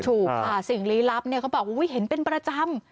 ถูกค่ะสิ่งลี้ลับเนี่ยเขาบอกว่าเห็นเป็นประจำ